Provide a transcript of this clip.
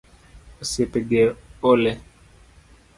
Osiepe ge ole